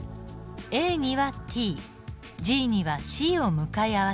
ＡにはＴＧにはＣを向かい合わせます。